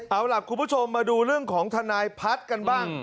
เอาล่ะคุณผู้ชมมาดูเรื่องของทนายพัฒน์กันบ้าง